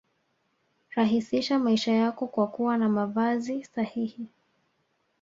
Rahisisha maisha yako kwa kuwa na mavazi sahihi